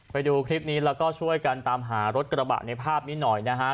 ไปดูคลิปนี้แล้วก็ช่วยกันตามหารถกระบะในภาพนี้หน่อยนะฮะ